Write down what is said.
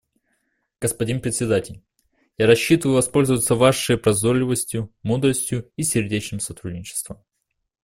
Господин Председатель, я рассчитываю воспользоваться Вашей прозорливостью, мудростью и сердечным сотрудничеством.